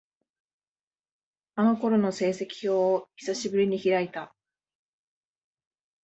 あの頃の成績表を、久しぶりに開いた。